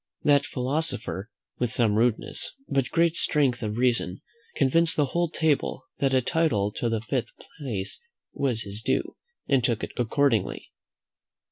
That philosopher, with some rudeness, but great strength of reason, convinced the whole table that a title to the fifth place was his due, and took it accordingly.